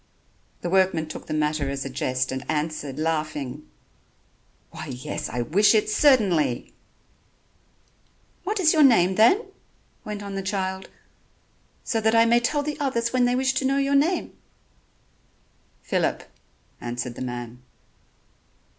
The workman took the matter as a jest and answered laughing: "Why, yes, I wish it certainly." "What is your name, then?" went on the child, "so that I may tell the others when they wish to know your name?" "Phillip," answered the man.